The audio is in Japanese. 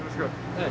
はい。